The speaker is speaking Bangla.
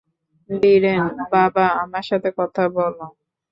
ভিরেন, বাবা আমার সাথে কথা বল!